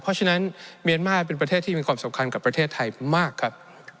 เพราะฉะนั้นเมียนมาร์เป็นประเทศที่มีความสำคัญกับประเทศไทยมากครับ